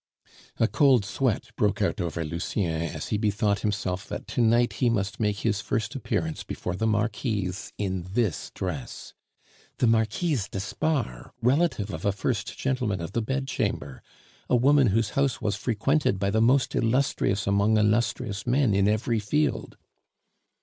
A cold sweat broke out over Lucien as he bethought himself that to night he must make his first appearance before the Marquise in this dress the Marquise d'Espard, relative of a First Gentleman of the Bedchamber, a woman whose house was frequented by the most illustrious among illustrious men in every field.